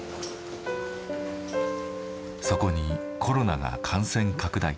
そこにコロナが感染拡大。